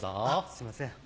すいません。